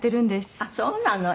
あっそうなの。